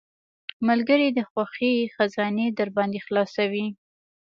ملګری د خوښۍ خزانې درباندې خلاصوي.